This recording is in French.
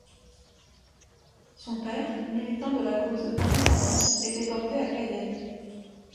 Son père, militant de la cause d'indépendance, est déporté à Cayenne.